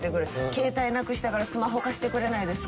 「携帯なくしたからスマホ貸してくれないですか？」